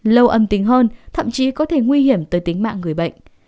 lâu âm tính hơn thậm chí có thể nguy hiểm tới tính mạng người bệnh